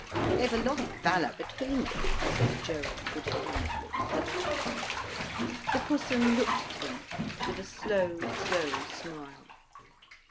"They've a lot of valour between them," said Gerald good humouredly. The Pussum looked at him with a slow, slow smile.